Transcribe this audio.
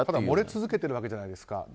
漏れ続けていたわけじゃないですか。